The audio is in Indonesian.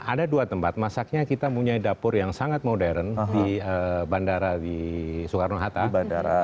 ada dua tempat masaknya kita punya dapur yang sangat modern di bandara di soekarno hatta